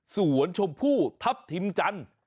สวนชมพู่ทัพทิมจันทร์